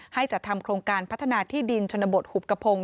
จัดทำโครงการพัฒนาที่ดินชนบทหุบกระพงศ